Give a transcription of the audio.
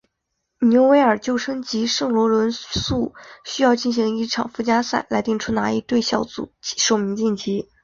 纽维尔旧生及圣罗伦素需要进行一场附加赛来定出哪一队以小组首名晋级。